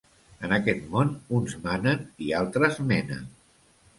En aquest món, uns manen i altres menen.